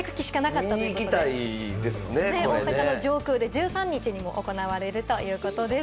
大阪の上空で１３日にも行われるということです。